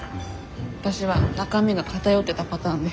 わたしは中身が偏ってたパターンで。